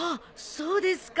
そうですか。